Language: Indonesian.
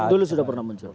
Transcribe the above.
dulu sudah pernah muncul